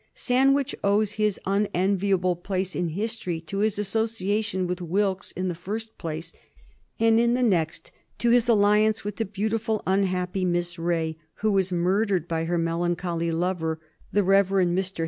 Sandwich owes his unenviable place in history to his association with Wilkes in the first place, and in the next to his alliance with the beautiful, unhappy Miss Ray, who was murdered by her melancholy lover, the Rev. Mr.